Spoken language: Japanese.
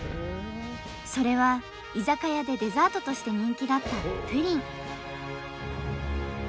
それは居酒屋でデザートとして人気だったプリン。